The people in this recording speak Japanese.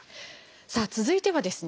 さあ続いてはですね